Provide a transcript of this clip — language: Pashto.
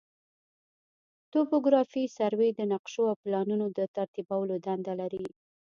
توپوګرافي سروې د نقشو او پلانونو د ترتیبولو دنده لري